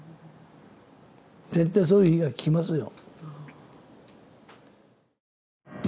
絶対そういう日が来ますよ。